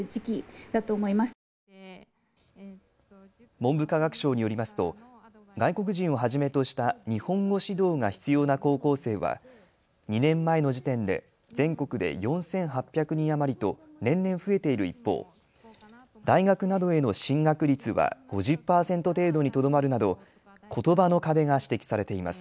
文部科学省によりますと外国人をはじめとした日本語指導が必要な高校生は２年前の時点で全国で４８００人余りと年々増えている一方、大学などへの進学率は５０％程度にとどまるなどことばの壁が指摘されています。